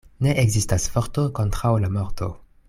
Ne ekzistas forto kontraŭ la morto.